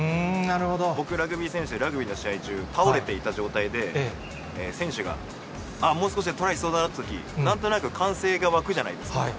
僕、ラグビー選手、ラグビーの試合中、倒れていた状態で、選手が、あ、もう少しでトライしそうだなっていうとき、なんとなく歓声が沸くじゃないですか。